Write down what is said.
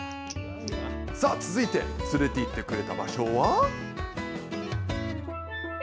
さあ、続いて連れていってくれた場所は。